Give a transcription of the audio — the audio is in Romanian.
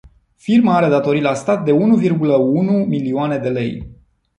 Firma are datorii la stat de unu virgulă unu milioane de lei.